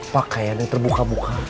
pakaian yang terbuka buka